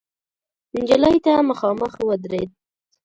نجلۍ ته مخامخ ودرېد.